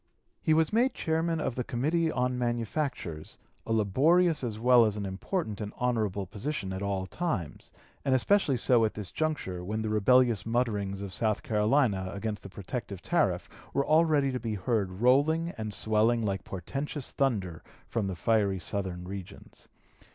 He was made chairman of the Committee on Manufactures, a laborious as well as an important and honorable position at all times, and especially so at this juncture when the rebellious mutterings of South Carolina against the protective tariff were already to be heard rolling and swelling like portentous thunder from the fiery Southern regions.